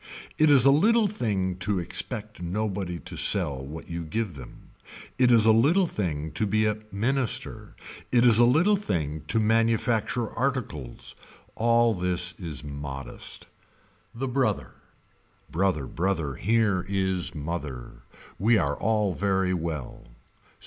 It is a little thing to expect nobody to sell what you give them. It is a little thing to be a minister. It is a little thing to manufacture articles. All this is modest. The Brother. Brother brother here is mother. We are all very well.